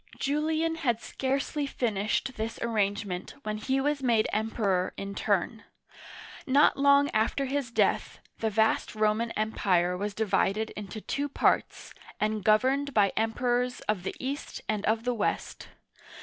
Julian had scarcely finished this arrangement when he was made Emperor in his turn. Not long after his death, the vast Roman Empire was divided into two parts, and governed by Emperors of the East and of the West.